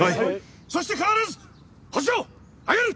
そして必ずホシを挙げる！